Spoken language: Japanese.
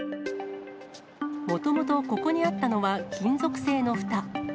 もともと、ここにあったのは金属製のふた。